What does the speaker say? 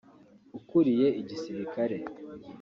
ukuriye igisirikare